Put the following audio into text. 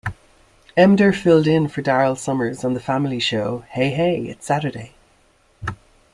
Emdur filled in for Daryl Somers on the family show "Hey Hey It's Saturday".